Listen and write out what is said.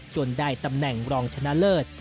ได้ตำแหน่งรองชนะเลิศ